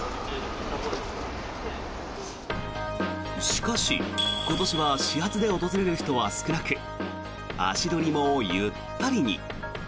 しかし今年は始発で訪れる人は少なく足取りもゆったりに。